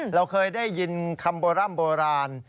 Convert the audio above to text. เราเคยได้ยินคำโบร่ำโบราณ